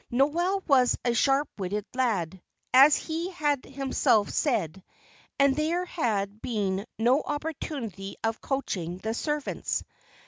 Noel was a sharp witted lad, as he had himself said, and there had been no opportunity of coaching the servants.